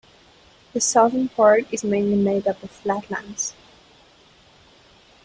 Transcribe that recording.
The southern part is mainly made up of flatlands.